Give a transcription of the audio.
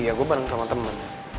ya gue bareng sama temen